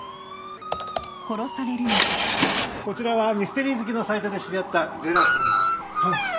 こちらはミステリー好きのサイトで知り合ったデラさんとパンさん。